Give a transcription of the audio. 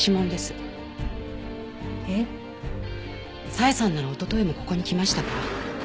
佐江さんならおとといもここに来ましたから。